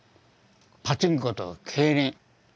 パチンコと競輪。